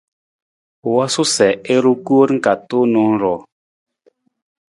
U wosu sa i ru koor ka tuunang ruu.